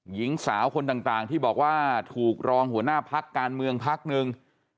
หญิงสาวคนต่างที่บอกว่าถูกรองหัวหน้าพักการเมืองพักหนึ่ง